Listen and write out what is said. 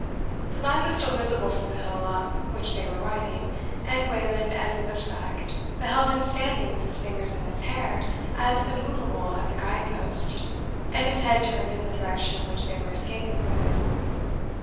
The lad was still visible from the hill up which they were riding, and Wayland, as he looked back, beheld him standing with his fingers in his hair as immovable as a guide post, and his head turned in the direction in which they were escaping from him.